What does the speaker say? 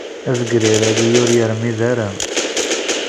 Azegrir-agi ur yermid ara.